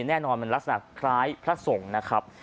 แน่นอนมันลักษณะคล้ายพระสงฆ์นะครับ